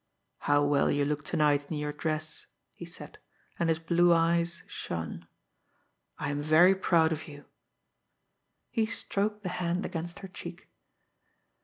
"How well you look to night in your dress," he said, and his blue eyes shone. "I am very proud of you." She stroked the hand against her cheek.